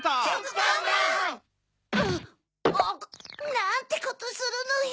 なんてことするのよ！